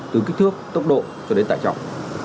từ kích thước tốc độ cho đến tải trọng